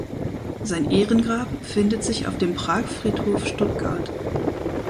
Sein Ehrengrab befindet sich auf dem Pragfriedhof Stuttgart.